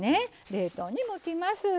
冷凍に向きます。